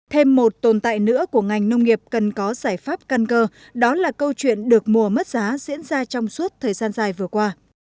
thêm một tồn tại nữa của ngành nông nghiệp cần có giải pháp căn cơ đó là câu chuyện được mùa mất giá diễn ra trong suốt thời gian dài vừa qua